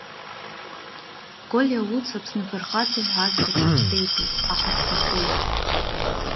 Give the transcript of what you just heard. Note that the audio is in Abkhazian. Колиа Луц Аԥсны афырхаҵа ҳәа ахьӡ иҽаԥсаитәит, аха дҭахоит.